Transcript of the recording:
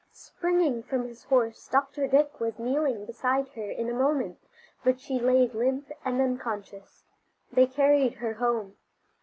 Springing from his horse, Dr. Dick was kneeling beside her in a moment, but she lay limp and unconscious. They carried her home.